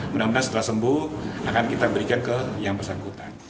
mudah mudahan setelah sembuh akan kita berikan ke yang bersangkutan